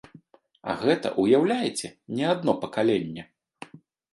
А гэта, уяўляеце, не адно пакаленне.